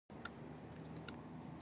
ملګری مې هم لوستل کوي.